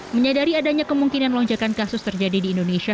menyadari adanya kemungkinan lonjakan kasus terjadi di indonesia